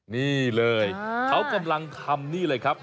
นี่เลยเขากำลังทำนี่เลยครับ